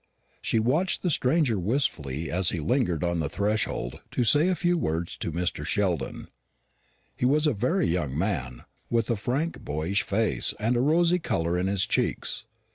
She watched the stranger wistfully as he lingered on the threshold to say a few words to Mr. Sheldon. He was a very young man, with a frank boyish face and a rosy colour in his cheeks.